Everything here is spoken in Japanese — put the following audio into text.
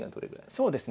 そうですね